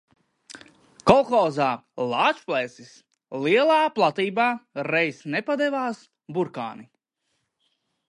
"Kolhozā "Lāčplēsis" lielā platībā reiz nepadevās burkāni."